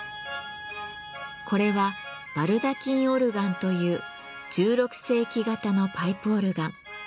これは「バルダキンオルガン」という１６世紀型のパイプオルガン。